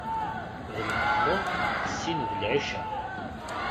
D lmeɣreb, sin d lɛica.